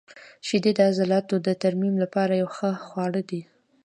• شیدې د عضلاتو د ترمیم لپاره یو ښه خواړه دي.